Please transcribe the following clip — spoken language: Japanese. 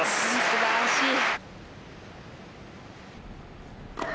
すばらしい。